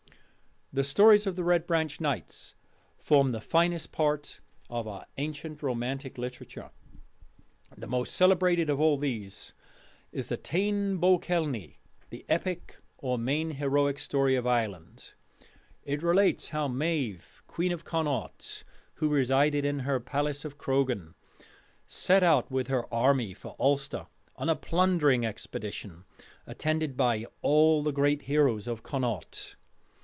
The stories of the Red Branch Knights form the finest part of our ancient Romantic Literature. The most celebrated of all these is the Táin bo Quelnĕ, the epic or main heroic story of Ireland. It relates how Maive, queen of Connaught, who resided in her palace of Croghan, set out with her army for Ulster on a plundering expedition, attended by all the great heroes of Connaught.